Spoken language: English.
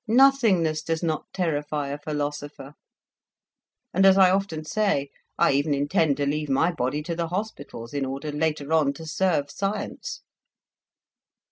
Nothingness does not terrify a philosopher; and, as I often say, I even intend to leave my body to the hospitals, in order, later on, to serve science."